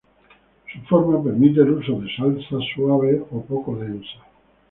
Su forma permite el uso de salsas suaves o poco densas.